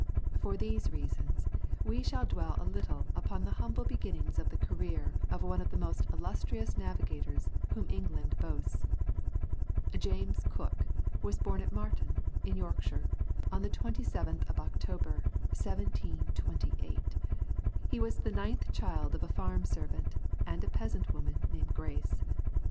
For these reasons we shall dwell a little upon the humble beginning of the career of one of the most illustrious navigators whom England boasts. James Cook was born at Marton, in Yorkshire, on the 27th of October, 1728. He was the ninth child of a farm servant, and a peasant woman named Grace.